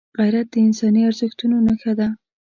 غیرت د انساني ارزښتونو نښه ده